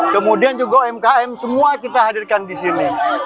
kemudian juga umkm semua kita hadirkan di sini